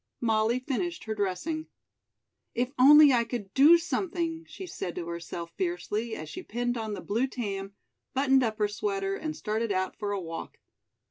Molly finished her dressing. "If I could only do something," she said to herself fiercely as she pinned on the blue tam, buttoned up her sweater and started out for a walk.